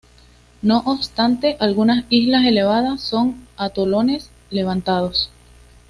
No obstante, algunas islas elevadas son atolones levantados.